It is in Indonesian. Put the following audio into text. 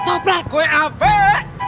kayak apaan rebels